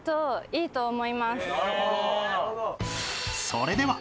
［それでは］